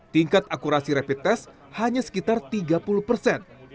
tingkat akurasi rapid test hanya sekitar tiga puluh persen